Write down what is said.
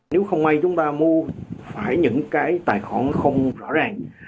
nếu không may chúng ta mua phải những cái tài khoản nó không rõ ràng